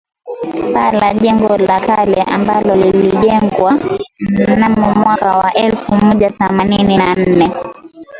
Paa la jengo la kale ambalo lilijengwa mnamo mwaka wa elfu moja themanini na nne